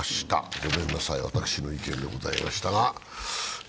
ごめんなさい、私の意見でございましたが。